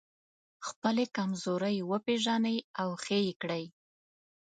خپلې کمزورۍ وپېژنئ او ښه يې کړئ.